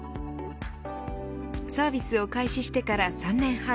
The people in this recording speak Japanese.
サービスを開始してから３年半。